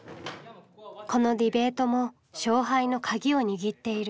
このディベートも勝敗の鍵を握っている。